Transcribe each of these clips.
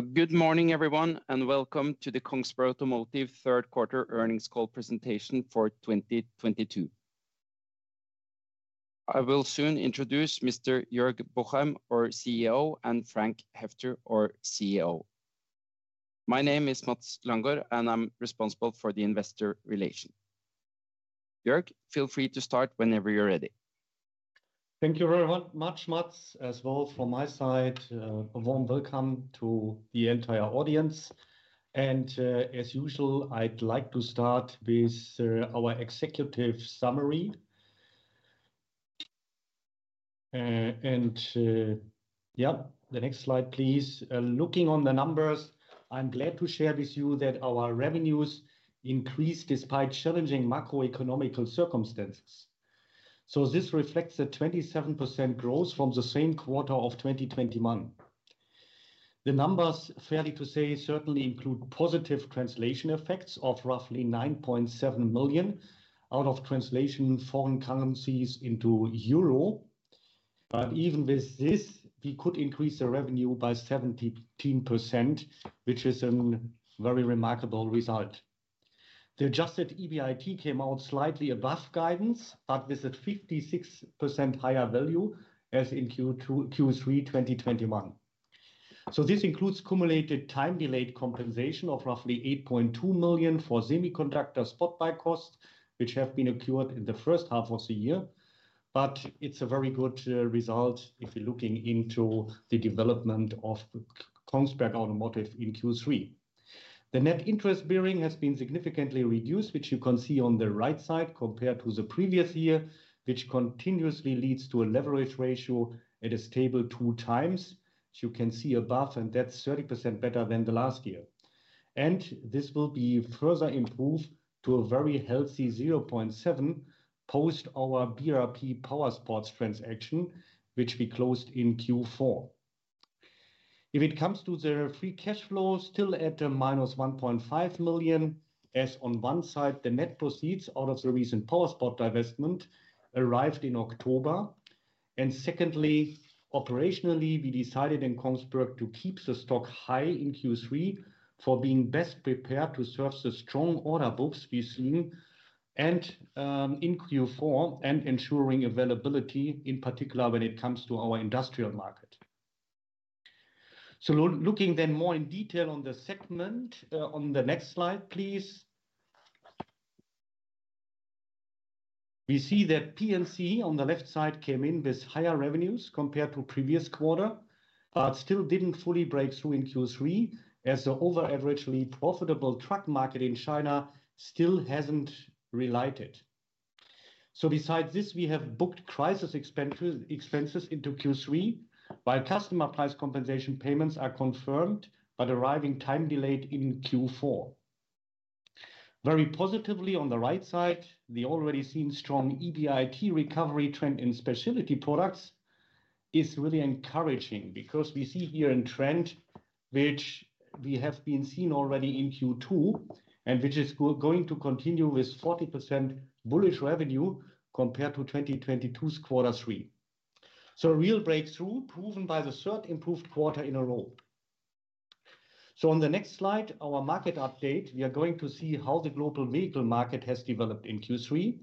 Good morning, everyone, and welcome to the Kongsberg Automotive third quarter earnings call presentation for 2022. I will soon introduce Mr. Joerg Buchheim, our CEO, and Frank Heffter, our CFO. My name is Mads Langaard, and I am responsible for the investor relations. Joerg, feel free to start whenever you are ready. Thank you very much, Mads. As well from my side, a warm welcome to the entire audience. As usual, I would like to start with our executive summary. The next slide, please. Looking on the numbers, I am glad to share with you that our revenues increased despite challenging macroeconomic circumstances. This reflects a 27% growth from the same quarter of 2021. The numbers, fairly to say, certainly include positive translation effects of roughly 9.7 million out of translation foreign currencies into EUR. Even with this, we could increase the revenue by 17%, which is a very remarkable result. The adjusted EBIT came out slightly above guidance, with a 56% higher value as in Q3 2021. This includes cumulated time-delayed compensation of roughly 8.2 million for semiconductor spot buy costs, which have been accrued in the first half of the year, it is a very good result if you are looking into the development of Kongsberg Automotive in Q3. The Net Interest-Bearing Debt has been significantly reduced, which you can see on the right side compared to the previous year, which continuously leads to a leverage ratio at a stable 2 times, which you can see above, that is 30% better than the last year. This will be further improved to a very healthy 0.7 post our BRP powersports transaction, which we closed in Q4. If it comes to the free cash flow, still at a minus 1.5 million, as on one side, the net proceeds out of the recent powersports divestment arrived in October. Secondly, operationally, we decided in Kongsberg to keep the stock high in Q3 for being best prepared to serve the strong order books we have seen in Q4, ensuring availability, in particular, when it comes to our industrial market. Looking more in detail on the segment, on the next slide, please. We see that P&C on the left side came in with higher revenues compared to previous quarter, still did not fully break through in Q3, as the over-averagely profitable truck market in China still has not relighted. Besides this, we have booked crisis expenses into Q3, while customer price compensation payments are confirmed, arriving time delayed in Q4. Very positively, on the right side, the already seen strong EBIT recovery trend in Specialty Products is really encouraging, because we see here a trend which we have been seeing already in Q2 and which is going to continue with 40% bullish revenue compared to 2022's quarter three. A real breakthrough proven by the third improved quarter in a row. On the next slide, our market update. We are going to see how the global vehicle market has developed in Q3.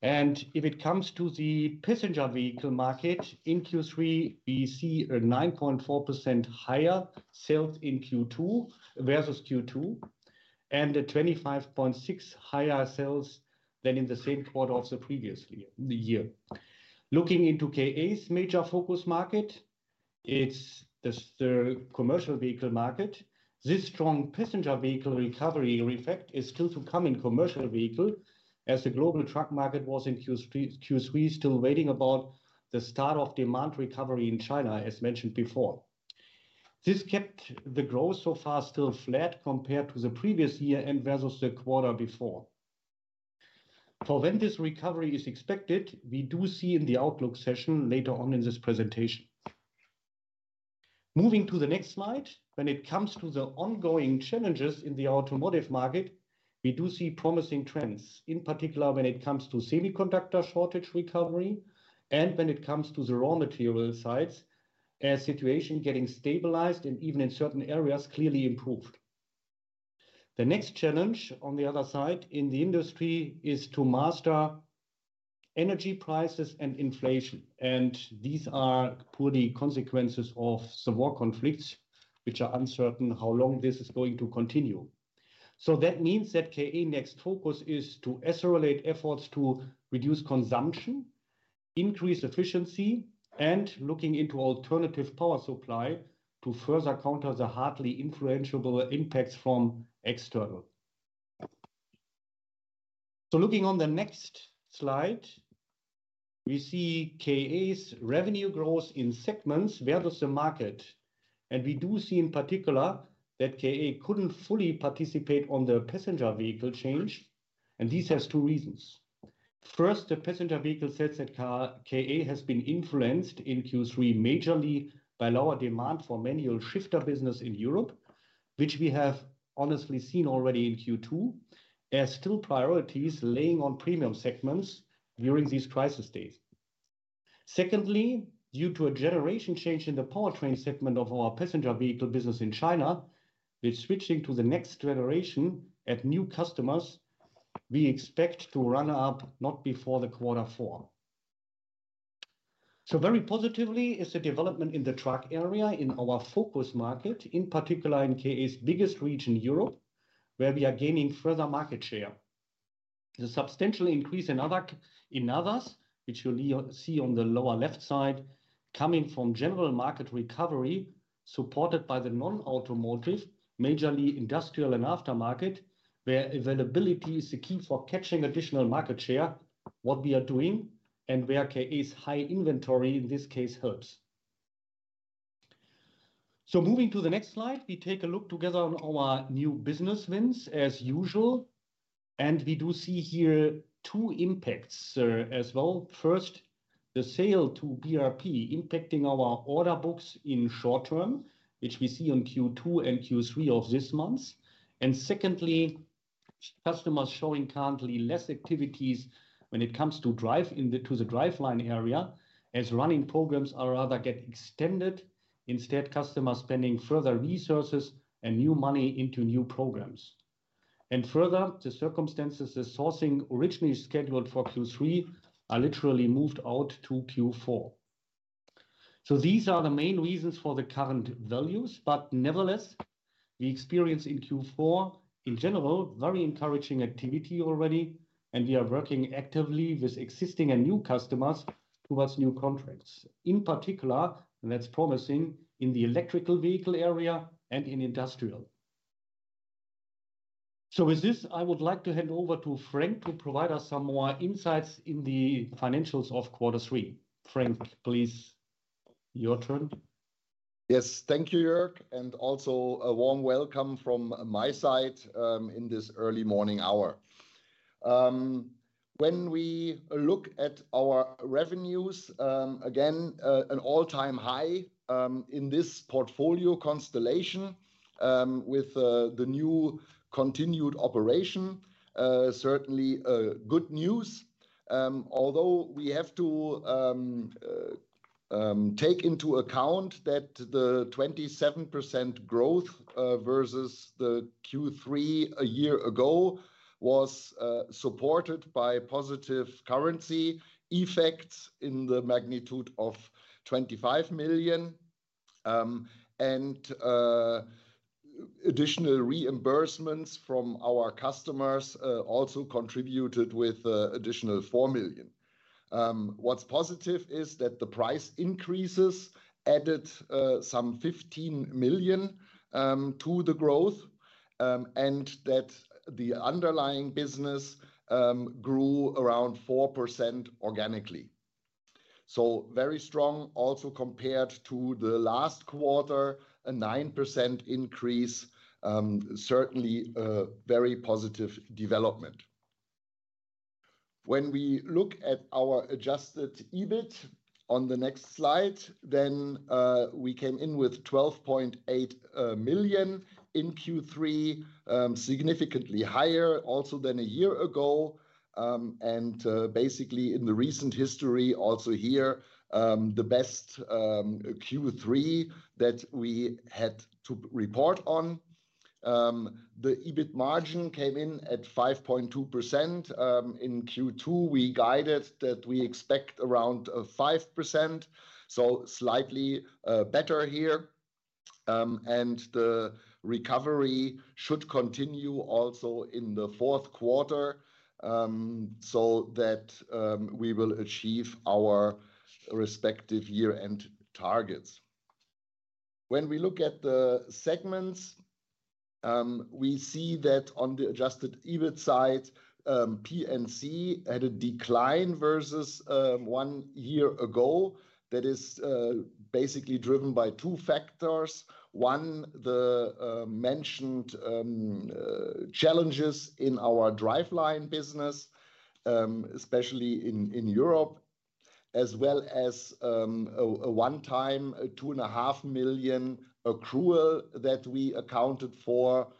If it comes to the passenger vehicle market in Q3, we see a 9.4% higher sales in Q2, versus Q2, and a 25.6 higher sales than in the same quarter of the previous year. Looking into KA's major focus market, it's the commercial vehicle market. This strong passenger vehicle recovery effect is still to come in commercial vehicle, as the global truck market was in Q3, still waiting about the start of demand recovery in China, as mentioned before. This kept the growth so far still flat compared to the previous year and versus the quarter before. For when this recovery is expected, we do see in the outlook session later on in this presentation. Moving to the next slide. When it comes to the ongoing challenges in the automotive market, we do see promising trends, in particular when it comes to semiconductor shortage recovery and when it comes to the raw material sides, as situation getting stabilized and even in certain areas, clearly improved. The next challenge, on the other side, in the industry, is to master energy prices and inflation, and these are poor consequences of the war conflicts, which are uncertain how long this is going to continue. That means that KA next focus is to accelerate efforts to reduce consumption, increase efficiency, and looking into alternative power supply to further counter the hardly influenceable impacts from external. Looking on the next slide, we see KA's revenue growth in segments versus the market. We do see in particular that KA couldn't fully participate on the passenger vehicle change, and this has two reasons. First, the passenger vehicle sales at KA has been influenced in Q3 majorly by lower demand for manual shifter business in Europe, which we have honestly seen already in Q2, as still priority is laying on premium segments during these crisis days. Secondly, due to a generation change in the powertrain segment of our passenger vehicle business in China, we're switching to the next generation at new customers, we expect to run up not before the quarter four. Very positively is the development in the truck area in our focus market, in particular in KA's biggest region, Europe, where we are gaining further market share. The substantial increase in others, which you'll see on the lower left side, coming from general market recovery, supported by the non-automotive, majorly industrial and aftermarket, where availability is the key for catching additional market share, what we are doing, and where KA's high inventory in this case hurts. Moving to the next slide, we take a look together on our new business wins as usual, we do see here two impacts, as well. First, the sale to BRP impacting our order books in short term, which we see on Q2 and Q3 of this month. Secondly, customers showing currently less activities when it comes to the driveline area, as running programs are rather get extended. Instead, customers spending further resources and new money into new programs. Further, the circumstances, the sourcing originally scheduled for Q3 are literally moved out to Q4. Yes. These are the main reasons for the current values, nevertheless, we experience in Q4, in general, very encouraging activity already, we are working actively with existing and new customers towards new contracts. In particular, that's promising, in the electrical vehicle area and in industrial. With this, I would like to hand over to Frank to provide us some more insights in the financials of quarter three. Frank, please. Your turn. Yes. Thank you, Jörg, also a warm welcome from my side, in this early morning hour. When we look at our revenues, again, an all-time high, in this portfolio constellation, with the new continued operation. Certainly good news, although we have to take into account that the 27% growth versus the Q3 a year ago was supported by positive currency effects in the magnitude of 25 million. Additional reimbursements from our customers also contributed with additional 4 million. What's positive is that the price increases added some 15 million to the growth, the underlying business grew around 4% organically. Very strong also compared to the last quarter, a 9% increase, certainly a very positive development. When we look at our adjusted EBIT on the next slide, we came in with 12.8 million in Q3, significantly higher also than a year ago. Basically in the recent history also here, the best Q3 that we had to report on. The EBIT margin came in at 5.2%. In Q2, we guided that we expect around 5%, slightly better here. The recovery should continue also in the fourth quarter, that we will achieve our respective year-end targets. When we look at the segments, we see that on the adjusted EBIT side, P&C had a decline versus one year ago. That is basically driven by two factors. One, the mentioned challenges in our driveline business, especially in Europe, as well as a one-time two and a half million accrual that we accounted for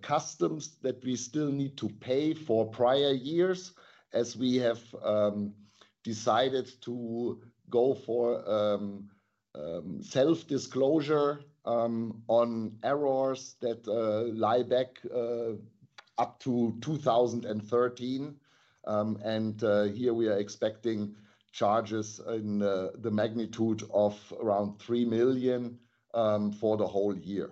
customs that we still need to pay for prior years as we have decided to go for self-disclosure on errors that lie back up to 2013. Here we are expecting charges in the magnitude of around 3 million for the whole year.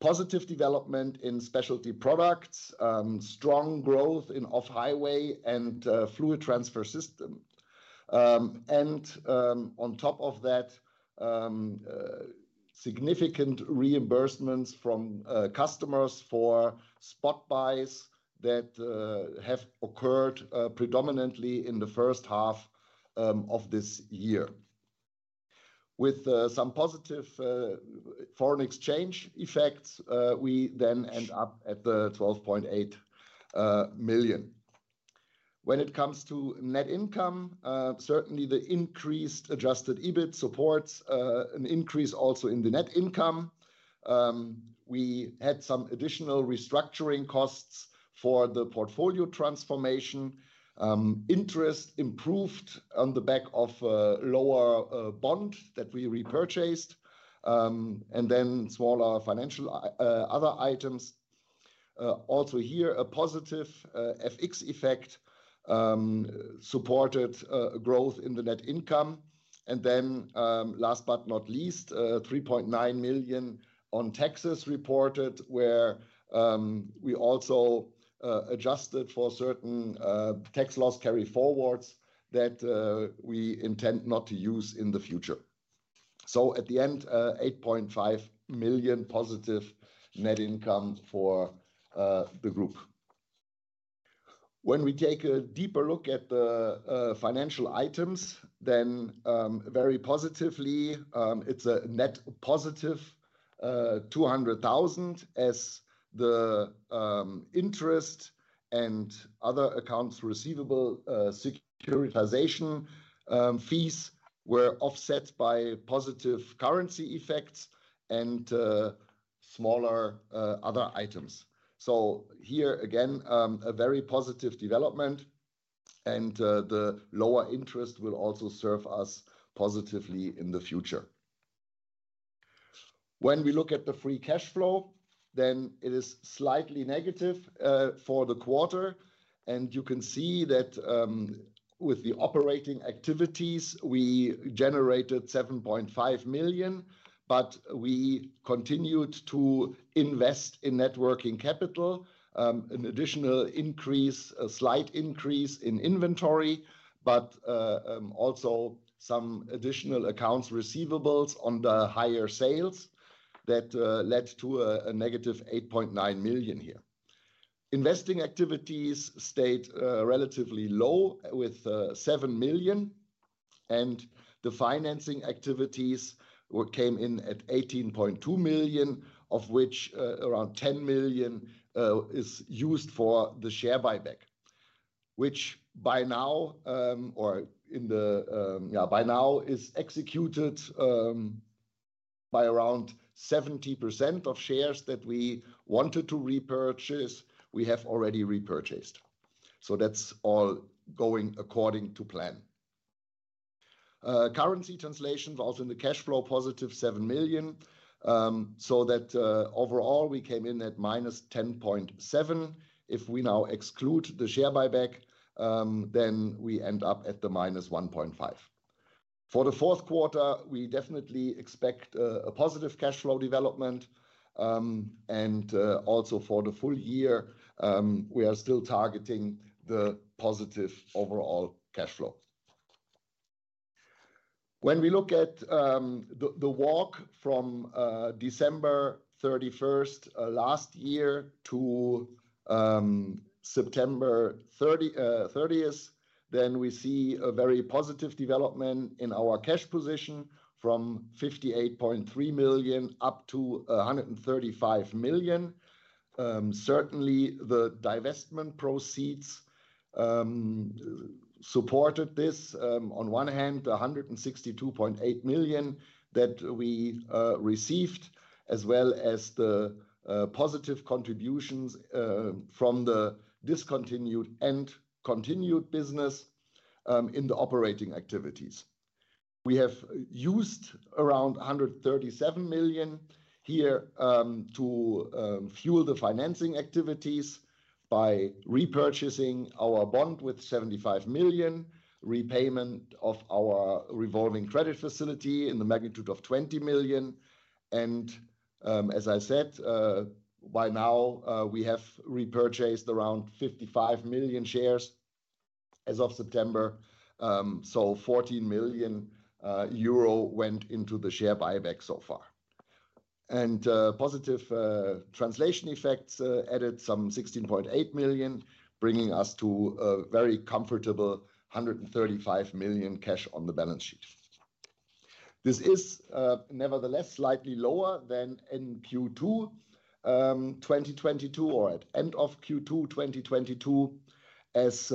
Positive development in Specialty Products. Strong growth in off-highway and Fluid Transfer Systems. On top of that, significant reimbursements from customers for spot buys that have occurred predominantly in the first half of this year. With some positive foreign exchange effects, we then end up at 12.8 million. When it comes to net income, certainly the increased adjusted EBIT supports an increase also in the net income. We had some additional restructuring costs for the portfolio transformation, interest improved on the back of a lower bond that we repurchased, and then smaller financial other items. A positive FX effect supported growth in the net income. Last but not least, 3.9 million on taxes reported, where we also adjusted for certain tax loss carry-forwards that we intend not to use in the future. At the end, 8.5 million positive net income for the group. When we take a deeper look at the financial items, very positively, it's a net positive 200,000 as the interest and other accounts receivable securitization fees were offset by positive currency effects and smaller other items. Here again, a very positive development, and the lower interest will also serve us positively in the future. When we look at the free cash flow, it is slightly negative for the quarter. You can see that with the operating activities, we generated 7.5 million, but we continued to invest in net working capital, an additional slight increase in inventory, but also some additional accounts receivables on the higher sales that led to a negative 8.9 million here. Investing activities stayed relatively low with 7 million, and the financing activities came in at 18.2 million, of which around 10 million is used for the share buyback. Which by now is executed by around 70% of shares that we wanted to repurchase, we have already repurchased. That's all going according to plan. Currency translation, also in the cash flow, a positive 7 million. That overall, we came in at -10.7. If we now exclude the share buyback, we end up at -1.5. For the fourth quarter, we definitely expect a positive cash flow development. Also for the full year, we are still targeting the positive overall cash flow. When we look at the walk from December 31st last year to September 30th, we see a very positive development in our cash position from 58.3 million up to 135 million. Certainly, the divestment proceeds supported this. On one hand, 162.8 million that we received, as well as the positive contributions from the discontinued and continued business in the operating activities. We have used around 137 million here to fuel the financing activities by repurchasing our bond with 75 million, repayment of our revolving credit facility in the magnitude of 20 million. As I said, by now we have repurchased around 55 million shares as of September. 14 million euro went into the share buyback so far. Positive translation effects added some 16.8 million, bringing us to a very comfortable 135 million cash on the balance sheet. This is nevertheless slightly lower than in Q2 2022 or at end of Q2 2022, as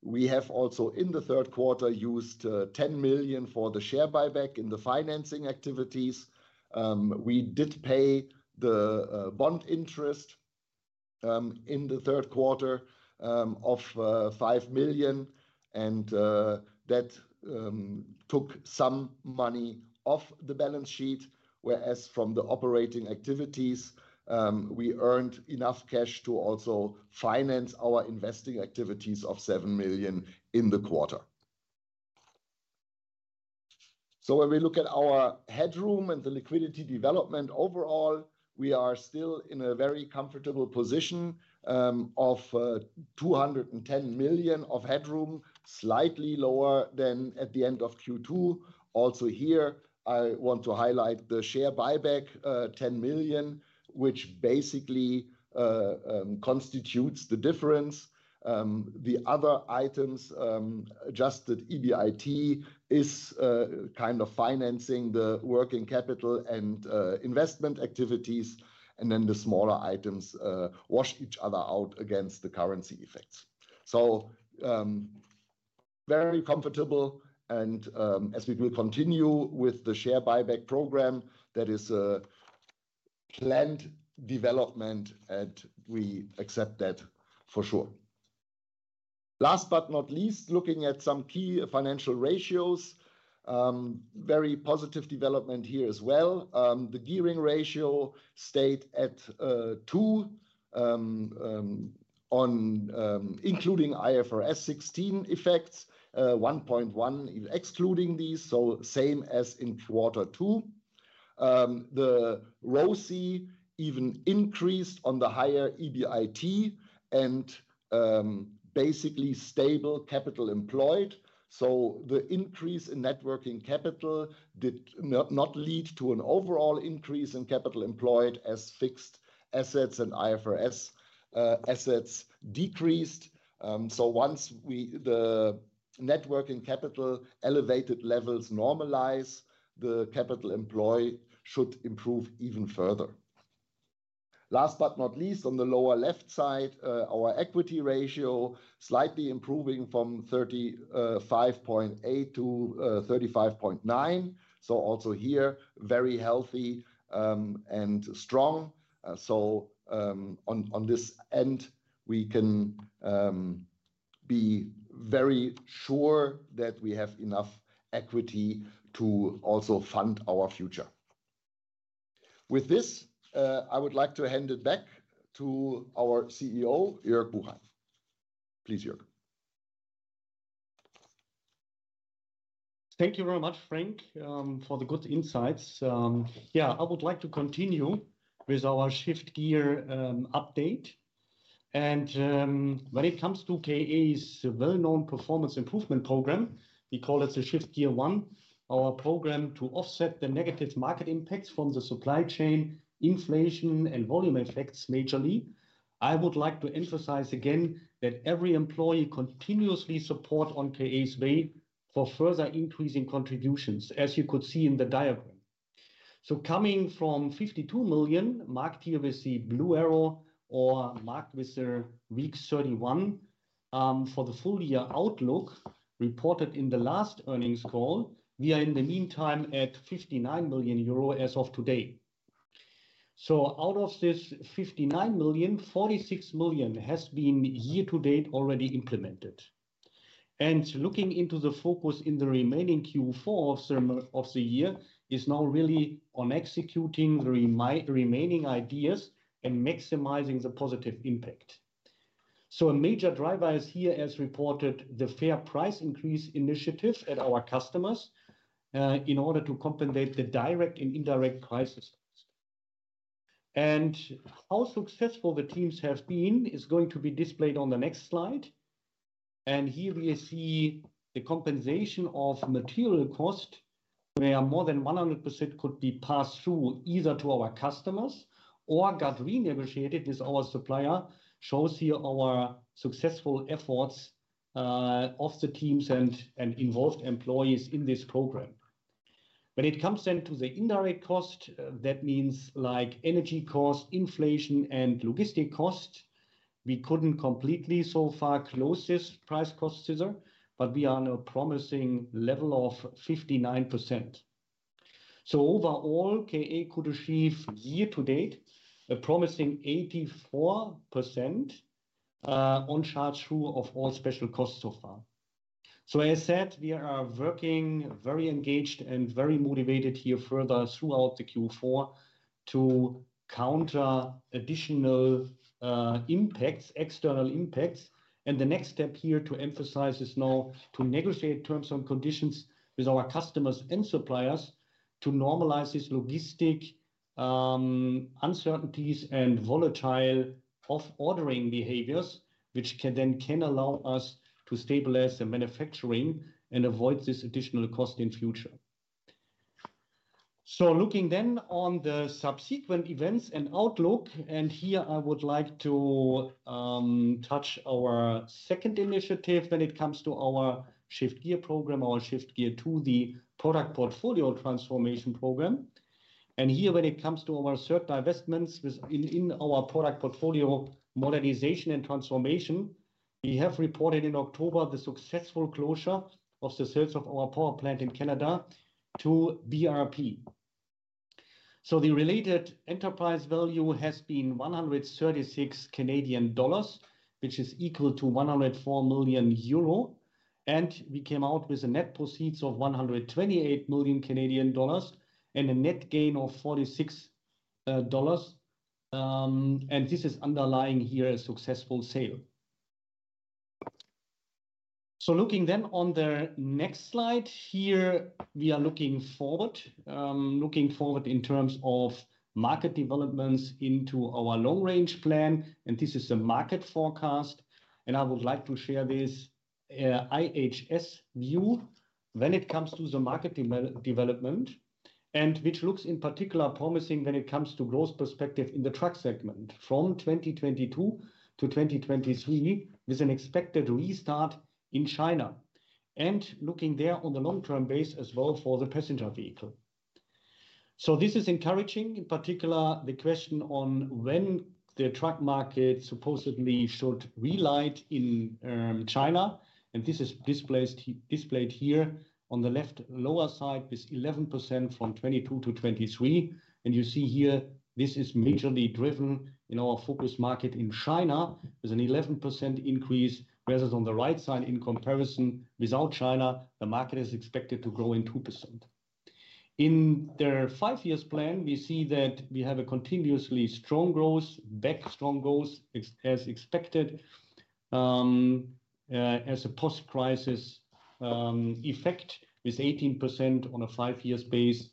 we have also in the third quarter used 10 million for the share buyback in the financing activities. We did pay the bond interest in the third quarter of 5 million, whereas from the operating activities, we earned enough cash to also finance our investing activities of 7 million in the quarter. When we look at our headroom and the liquidity development overall, we are still in a very comfortable position of 210 million of headroom, slightly lower than at the end of Q2. Also here, I want to highlight the share buyback, 10 million, which basically constitutes the difference. The other items, adjusted EBIT, is kind of financing the working capital and investment activities, the smaller items wash each other out against the currency effects. Very comfortable, as we will continue with the share buyback program, that is a planned development, and we accept that for sure. Last but not least, looking at some key financial ratios, very positive development here as well. The gearing ratio stayed at two, including IFRS 16 effects, 1.1 excluding these, same as in quarter 2. The ROCE even increased on the higher EBIT and basically stable capital employed. The increase in net working capital did not lead to an overall increase in capital employed as fixed assets and IFRS assets decreased. Once the net working capital elevated levels normalize, the capital employed should improve even further. Last but not least, on the lower left side, our equity ratio slightly improving from 35.8% to 35.9%. Also here, very healthy and strong. On this end, we can be very sure that we have enough equity to also fund our future. With this, I would like to hand it back to our CEO, Joerg Buchheim. Please, Joerg. Thank you very much, Frank, for the good insights. I would like to continue with our Shift Gear update. When it comes to KA's well-known performance improvement program, we call it the Shift Gear I, our program to offset the negative market impacts from the supply chain, inflation, and volume effects majorly. I would like to emphasize again that every employee continuously support on KA's way for further increasing contributions, as you could see in the diagram. Coming from 52 million, marked here with the blue arrow or marked with week 31, for the full year outlook reported in the last earnings call, we are in the meantime at 59 million euro as of today. Out of this 59 million, 46 million has been year to date already implemented. Looking into the focus in the remaining Q4 of the year is now really on executing the remaining ideas and maximizing the positive impact. A major driver is here, as reported, the fair price increase initiative at our customers in order to compensate the direct and indirect crisis. How successful the teams have been is going to be displayed on the next slide. Here we see the compensation of material cost, where more than 100% could be passed through either to our customers or got renegotiated with our supplier, shows here our successful efforts of the teams and involved employees in this program. When it comes to the indirect cost, that means energy cost, inflation, and logistic cost, we couldn't completely so far close this price cost scissor, but we are on a promising level of 59%. Overall, KA could achieve year to date a promising 84% on charge through of all special costs so far. As said, we are working very engaged and very motivated here further throughout the Q4 to counter additional impacts, external impacts. The next step here to emphasize is now to negotiate terms and conditions with our customers and suppliers to normalize this logistic uncertainties and volatile of ordering behaviors, which can then allow us to stabilize the manufacturing and avoid this additional cost in future. Looking then on the subsequent events and outlook, here I would like to touch our second initiative when it comes to our Shift Gear program, our Shift Gear II, the product portfolio transformation program. Here, when it comes to our certain investments within our product portfolio modernization and transformation, we have reported in October the successful closure of the sales of our powersports business in Canada to BRP. The related enterprise value has been 136 Canadian dollars, which is equal to 104 million euro. We came out with a net proceeds of 128 million Canadian dollars and a net gain of 46 dollars. This is underlying here a successful sale. Looking then on the next slide here, we are looking forward in terms of market developments into our long-range plan, this is the market forecast. I would like to share this IHS view when it comes to the market development, which looks in particular promising when it comes to growth perspective in the truck segment from 2022 to 2023, with an expected restart in China. Looking there on the long-term base as well for the passenger vehicle. This is encouraging, in particular, the question on when the truck market supposedly should relight in China, this is displayed here on the left lower side, this 11% from 2022 to 2023. You see here, this is majorly driven in our focus market in China. There's an 11% increase, whereas on the right side, in comparison, without China, the market is expected to grow in 2%. In their five years plan, we see that we have a continuously strong growth, back strong growth as expected, as a post-crisis effect with 18% on a five-year space,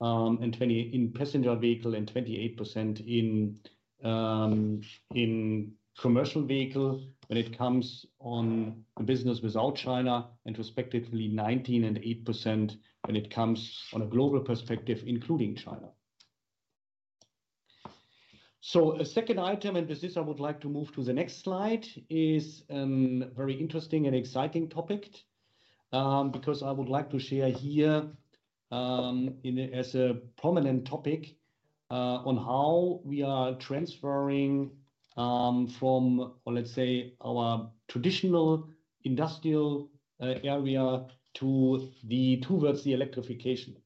in passenger vehicle and 28% in commercial vehicle when it comes on the business without China and respectively 19% and 8% when it comes on a global perspective, including China. A second item, and with this, I would like to move to the next slide, is very interesting and exciting topic, because I would like to share here, as a prominent topic, on how we are transferring from, let's say, our traditional industrial area towards the electrification.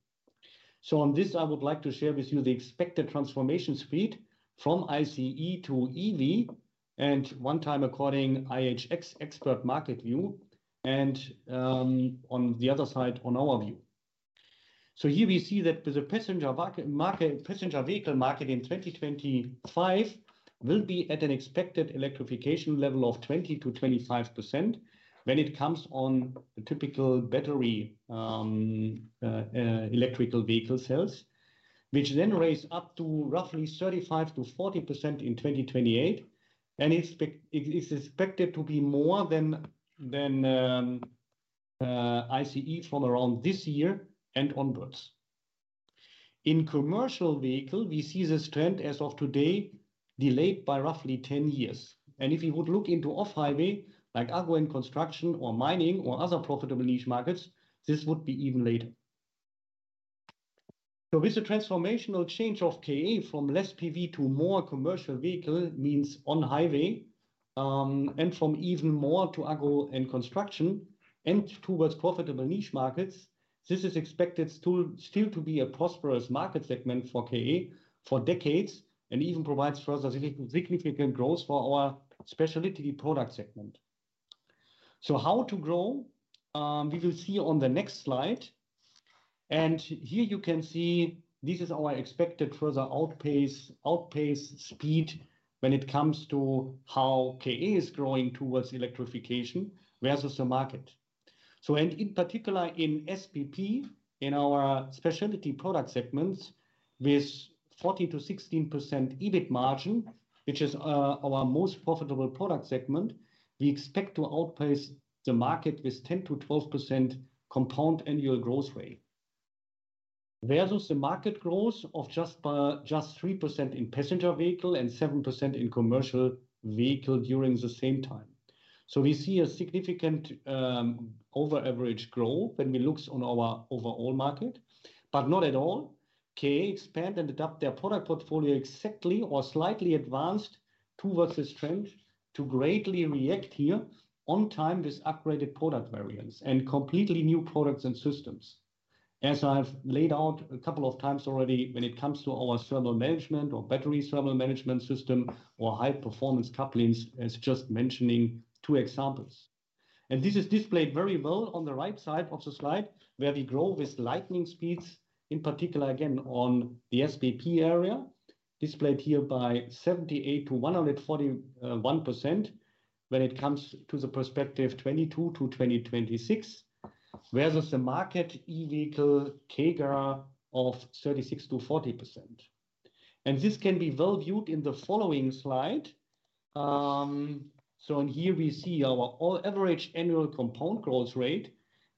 On this, I would like to share with you the expected transformation speed from ICE to EV, and one time according IHS expert market view, and on the other side, on our view. Here we see that with the passenger vehicle market in 2025 will be at an expected electrification level of 20%-25% when it comes on the typical battery electrical vehicle sales, which then raise up to roughly 35%-40% in 2028. It is expected to be more than ICE from around this year and onwards. In commercial vehicle, we see this trend as of today, delayed by roughly 10 years. If you would look into off-highway, like agro and construction or mining or other profitable niche markets, this would be even later. With the transformational change of KA from less PV to more commercial vehicle means on highway, and from even more to agro and construction and towards profitable niche markets, this is expected still to be a prosperous market segment for KA for decades and even provides further significant growth for our Specialty Products segment. How to grow? We will see on the next slide. Here you can see this is our expected further outpace speed when it comes to how KA is growing towards electrification versus the market. In particular in SPP, in our Specialty Products segments, with 40%-16% EBIT margin, which is our most profitable product segment, we expect to outpace the market with 10%-12% compound annual growth rate. Versus the market growth of just 3% in passenger vehicle and 7% in commercial vehicle during the same time. We see a significant over average growth when we look on our overall market, but not at all, KA expand and adapt their product portfolio exactly or slightly advanced towards this trend to greatly react here on time with upgraded product variants and completely new products and systems. As I've laid out a couple of times already, when it comes to our thermal management or battery thermal management system or high performance couplings as just mentioning two examples. This is displayed very well on the right side of the slide, where we grow with lightning speeds, in particular, again, on the SPP area, displayed here by 78%-141% when it comes to the perspective 2022-2026. Versus the market e-vehicle CAGR of 36%-40%. This can be well viewed in the following slide. In here, we see our average annual compound growth rate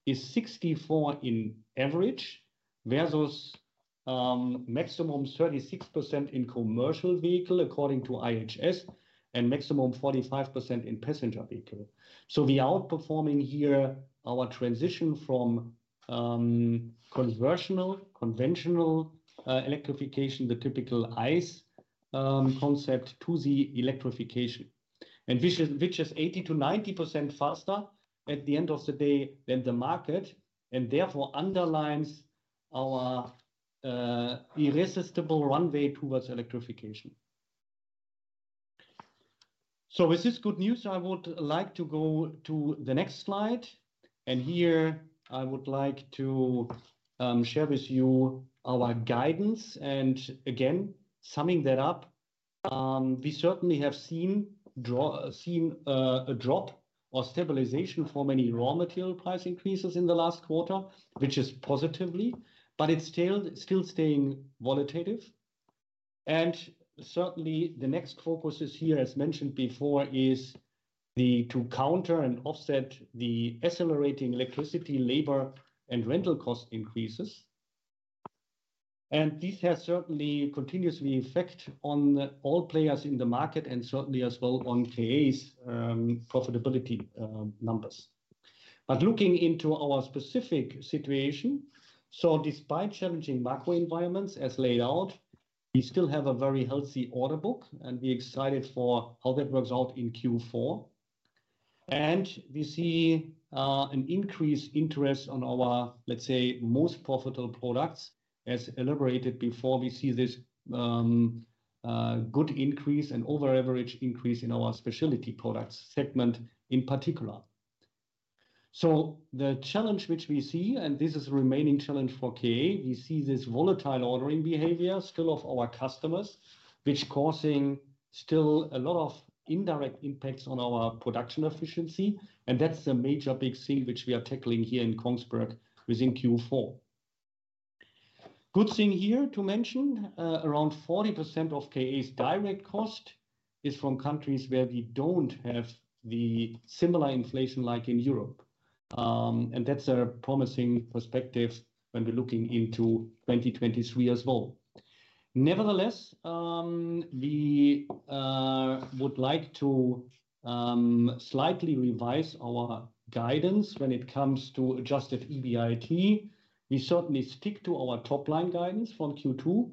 is 64% in average versus maximum 36% in commercial vehicle, according to IHS, and maximum 45% in passenger vehicle. We are outperforming here our transition from conventional electrification, the typical ICE concept to the electrification. Which is 80%-90% faster at the end of the day than the market, and therefore underlines our irresistible runway towards electrification. With this good news, I would like to go to the next slide. Here I would like to share with you our guidance. Again, summing that up, we certainly have seen a drop or stabilization for many raw material price increases in the last quarter, which is positive, but it is still staying volatile. Certainly the next focus is here, as mentioned before, is to counter and offset the accelerating electricity, labor, and rental cost increases. This has certainly a continuous effect on all players in the market and certainly as well on KA's profitability numbers. Looking into our specific situation, despite challenging macro environments as laid out, we still have a very healthy order book, and we are excited for how that works out in Q4. We see an increased interest on our, let's say, most profitable products. As elaborated before, we see this good increase and over average increase in our Specialty Products segment in particular. The challenge which we see, and this is the remaining challenge for KA, we see this volatile ordering behavior still of our customers, which is causing still a lot of indirect impacts on our production efficiency, and that is a major, big thing which we are tackling here in Kongsberg within Q4. Good thing here to mention, around 40% of KA's direct cost is from countries where we don't have the similar inflation like in Europe. That is a promising perspective when we are looking into 2023 as well. Nevertheless, we would like to slightly revise our guidance when it comes to adjusted EBIT. We certainly stick to our top-line guidance from Q2,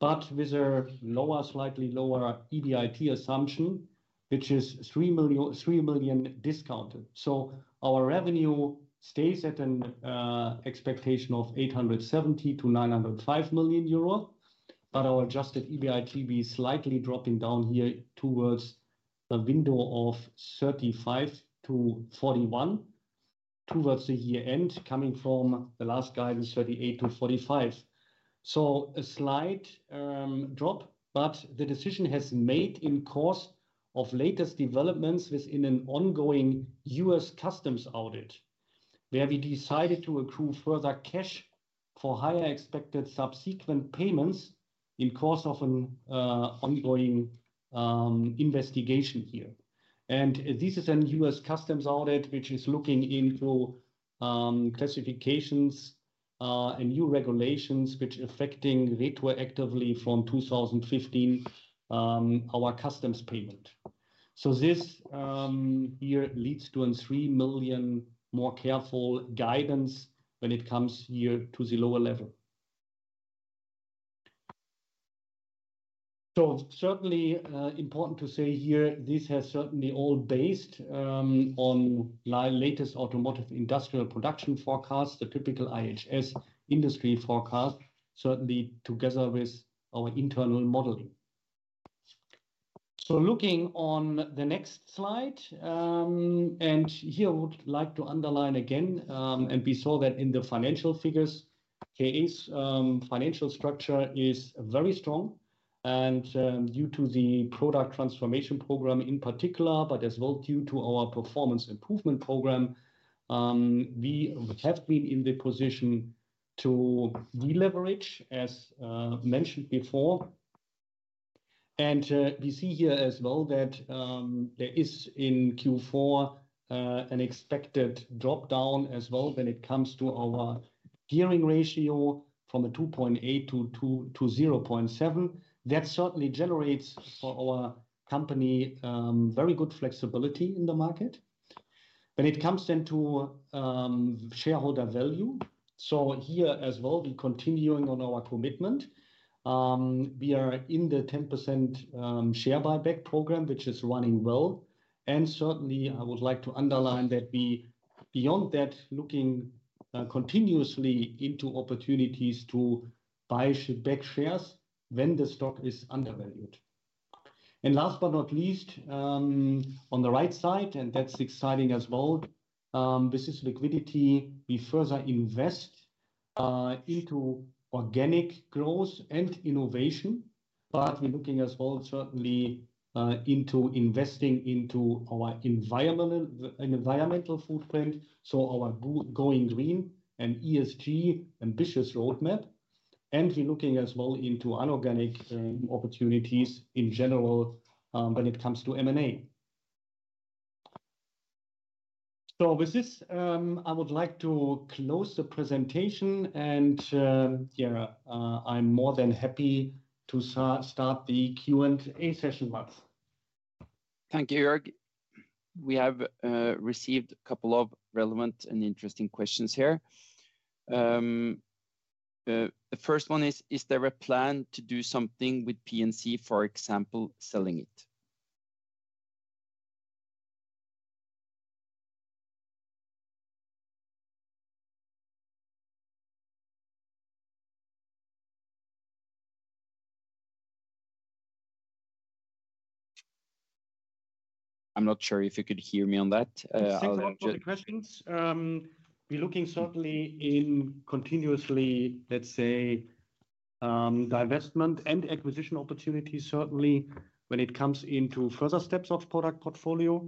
but with a slightly lower EBIT assumption, which is 3 million discounted. Our revenue stays at an expectation of 870 million to 905 million euro, but our adjusted EBIT is slightly dropping down here towards a window of 35 million to 41 million towards the year-end, coming from the last guidance, 38 million to 45 million. A slight drop, but the decision has been made in course of latest developments within an ongoing U.S. customs audit, where we decided to accrue further cash for higher expected subsequent payments in course of an ongoing investigation here. This is a U.S. customs audit which is looking into classifications and new regulations which is affecting retroactively from 2015, our customs payment. This here leads to a 3 million more careful guidance when it comes here to the lower level. Certainly important to say here, this has certainly all based on my latest automotive industrial production forecast, the typical IHS industry forecast, certainly together with our internal modeling. Looking on the next slide, here I would like to underline again, and we saw that in the financial figures, KA's financial structure is very strong and due to the product transformation program in particular, but as well due to our performance improvement program, we have been in the position to deleverage, as mentioned before. We see here as well that there is in Q4, an expected drop-down as well when it comes to our gearing ratio from a 2.8 to 0.7. That certainly generates for our company very good flexibility in the market. When it comes then to shareholder value, so here as well, we are continuing on our commitment. We are in the 10% share buyback program, which is running well, and certainly I would like to underline that we, beyond that, are looking continuously into opportunities to buy back shares when the stock is undervalued. Last but not least, on the right side, that's exciting as well. This is liquidity. We further invest into organic growth and innovation, we're looking as well, certainly, into investing into our environmental footprint, so our going green and ESG ambitious roadmap, we're looking as well into anorganic opportunities in general when it comes to M&A. With this, I would like to close the presentation and, yeah, I'm more than happy to start the Q&A session. Mads. Thank you, Joerg. We have received a couple of relevant and interesting questions here. The first one is: Is there a plan to do something with P&C, for example, selling it? I'm not sure if you could hear me on that. Thanks a lot for the questions. We're looking certainly in continuously, let's say, divestment and acquisition opportunities, certainly when it comes into further steps of product portfolio,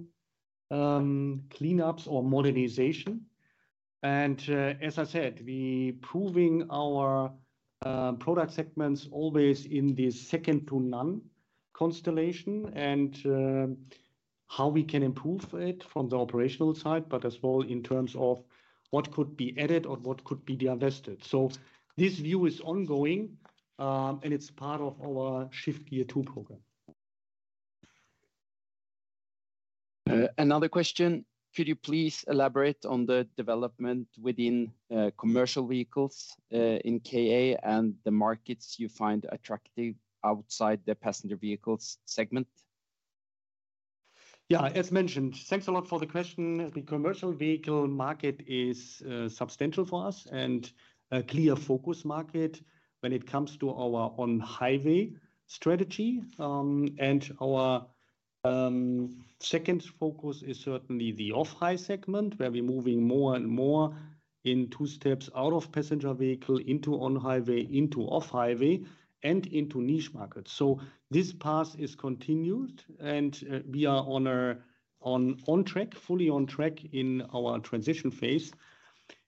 cleanups or modernization. As I said, we proving our product segments always in the second to none constellation and how we can improve it from the operational side, but as well in terms of what could be added or what could be divested. This view is ongoing, and it's part of our Shift Gear II program. Another question, could you please elaborate on the development within commercial vehicles in KA and the markets you find attractive outside the passenger vehicles segment? As mentioned. Thanks a lot for the question. The commercial vehicle market is substantial for us and a clear focus market when it comes to our on-highway strategy. Our second focus is certainly the off-highway segment, where we're moving more and more in two steps out of passenger vehicle into on-highway, into off-highway, and into niche markets. This path is continued, and we are fully on track in our transition phase.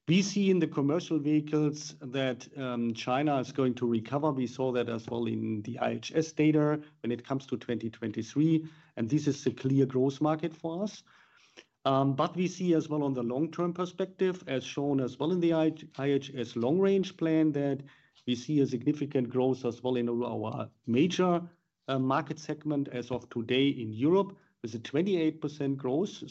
We see in the commercial vehicles that China is going to recover. We saw that as well in the IHS data when it comes to 2023, and this is a clear growth market for us. We see as well on the long-term perspective, as shown as well in the IHS long range plan, that we see a significant growth as well in our major market segment as of today in Europe, with a 28% growth.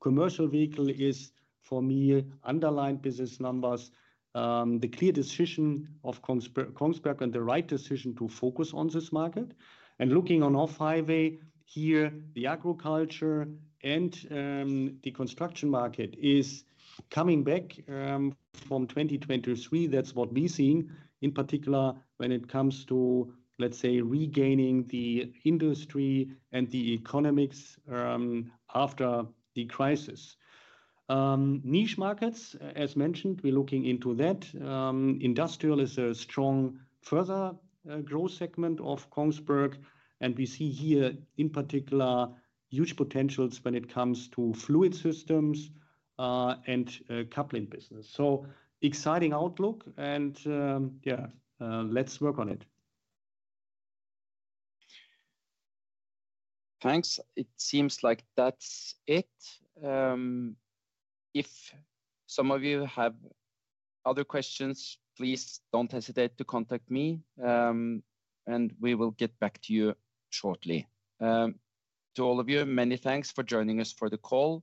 Commercial vehicle is, for me, underlined business numbers, the clear decision of Kongsberg and the right decision to focus on this market. Looking on off-highway here, the agriculture and the construction market is coming back from 2023. That's what we're seeing in particular when it comes to, let's say, regaining the industry and the economics after the crisis. Niche markets, as mentioned, we're looking into that. Industrial is a strong further growth segment of Kongsberg, and we see here in particular huge potentials when it comes to fluid systems and coupling business. Exciting outlook and, let's work on it. Thanks. It seems like that's it. If some of you have other questions, please don't hesitate to contact me, and we will get back to you shortly. To all of you, many thanks for joining us for the call.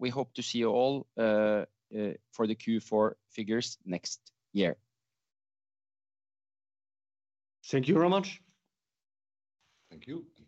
We hope to see you all for the Q4 figures next year. Thank you very much. Thank you and bye.